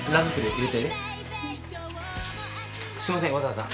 すいません。